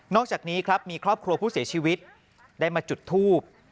อกจากนี้ครับมีครอบครัวผู้เสียชีวิตได้มาจุดทูบ